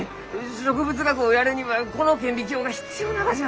植物学をやるにはこの顕微鏡が必要ながじゃ。